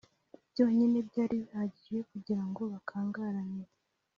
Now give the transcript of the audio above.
byonyine byari bihagije kugira ngo bakangarane,